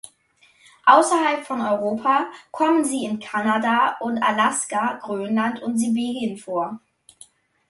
Außerhalb von Europa kommen sie in Kanada und Alaska, Grönland und Sibirien vor.